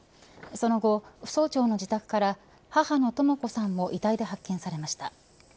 その後、早朝の自宅から母の智子さんも遺体で発見されました。